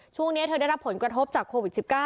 ช่วงนี้เธอได้รับผลกระทบจากโควิด๑๙